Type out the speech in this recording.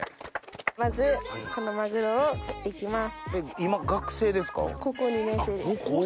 まずこのマグロを切っていきます。